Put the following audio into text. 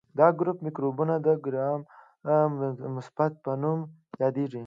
دا ګروپ مکروبونه د ګرام مثبت په نوم یادیږي.